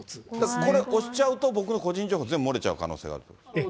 これ、押しちゃうと、僕の個人情報全部漏れちゃう可能性があると。